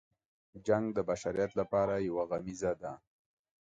جنګ د بشریت لپاره یو غمیزه ده.